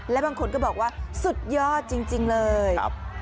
และบางคนก็บอกว่าสุดยอดจริงเลย